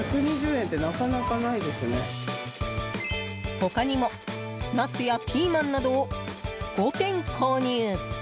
他にもナスやピーマンなどを５点購入。